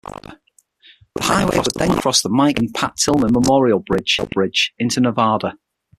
The highway would then cross the Mike O'Callaghan-Pat Tillman Memorial Bridge into Nevada.